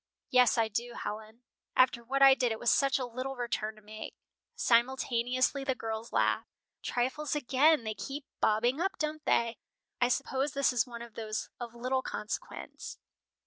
"Yes, I do, Helen." "After what I did it was such a little return to make." Simultaneously the girls laughed. "Trifles again! They keep bobbing up, don't they? I suppose this is one of those of little consequence."